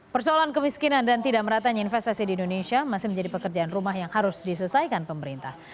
persoalan kemiskinan dan tidak meratanya investasi di indonesia masih menjadi pekerjaan rumah yang harus diselesaikan pemerintah